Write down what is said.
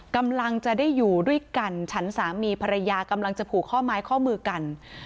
กำลังจะได้อยู่ด้วยกันฉันสามีภรรยากำลังจะผูกข้อไม้ข้อมือกัน